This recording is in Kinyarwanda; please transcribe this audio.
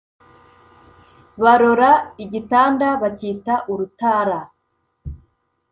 Barora igitanda, bacyita urutara;